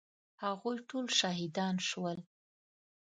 هغوی ټول شهیدان شول.